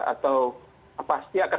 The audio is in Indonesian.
atau pasti akan